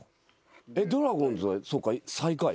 えっドラゴンズはそうか最下位？